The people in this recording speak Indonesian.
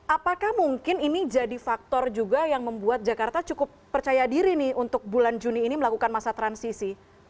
apakah mungkin ini jadi faktor juga yang membuat jakarta cukup percaya diri nih untuk bulan juni ini melakukan masa transisi